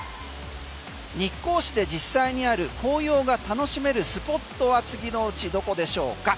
日光市で実際にある紅葉が楽しめるスポットは次のうちどこでしょうか？